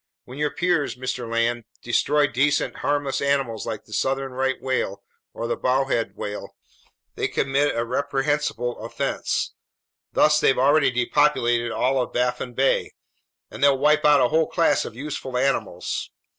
When your peers, Mr. Land, destroy decent, harmless creatures like the southern right whale or the bowhead whale, they commit a reprehensible offense. Thus they've already depopulated all of Baffin Bay, and they'll wipe out a whole class of useful animals.